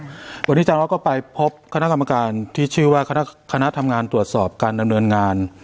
วันนี้อาจารย์ออสก็ไปพบคณะกรรมการที่ชื่อว่าคณะทำงานตรวจสอบการดำเนินงาน